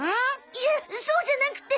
いやそうじゃなくて。